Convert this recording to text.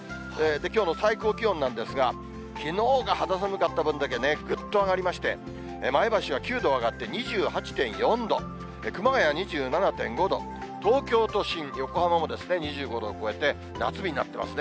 きょうの最高気温なんですが、きのうが肌寒かった分だけぐっと上がりまして、前橋は９度上がって２８．４度、熊谷２７．５度、東京都心、横浜も２５度を超えて夏日になってますね。